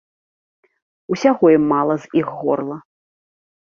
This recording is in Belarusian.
Усяго ім мала з іх горла.